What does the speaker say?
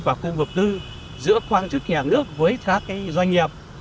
và khu vực tư giữa quan chức nhà nước với các doanh nghiệp